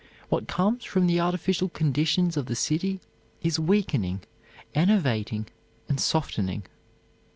What comes from the artificial conditions of the city is weakening, enervating, softening.